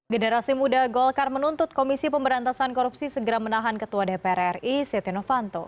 generasi muda golkar menuntut komisi pemberantasan korupsi segera menahan ketua dpr ri setia novanto